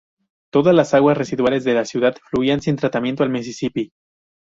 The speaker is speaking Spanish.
Todas las aguas residuales de la ciudad fluían sin tratamiento al Mississippi.